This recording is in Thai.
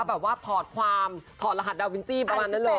แบบว่าถอดความถอดรหัสดาวินซี่ประมาณนั้นเลย